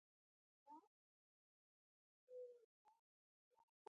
د دوام لپاره یې تمایل موجود دی.